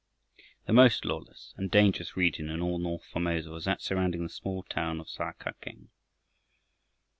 The most lawless and dangerous region in all north Formosa was that surrounding the small town of Sa kak eng.